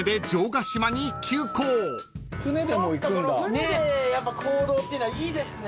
船で行動っていうのはいいですね。